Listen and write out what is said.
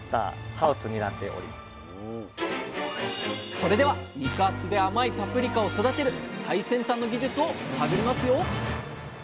それでは肉厚で甘いパプリカを育てる最先端の技術を探りますよ！